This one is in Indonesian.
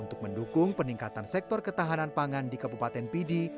untuk mendukung peningkatan sektor ketahanan pangan di kabupaten pidi